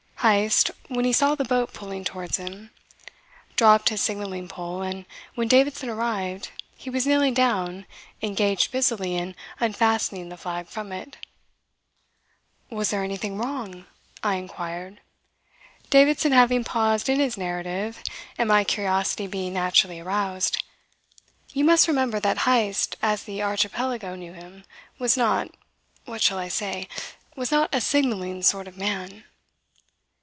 Heyst, when he saw the boat pulling towards him, dropped his signalling pole; and when Davidson arrived, he was kneeling down engaged busily in unfastening the flag from it. "Was there anything wrong?" I inquired, Davidson having paused in his narrative and my curiosity being naturally aroused. You must remember that Heyst as the Archipelago knew him was not what shall I say was not a signalling sort of man.